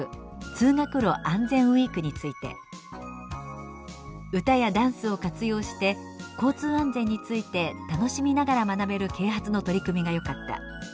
「通学路あんぜんウイーク」について「歌やダンスを活用して交通安全について楽しみながら学べる啓発の取り組みがよかった」